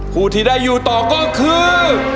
ผู้ที่ได้อยู่ต่อก็คือ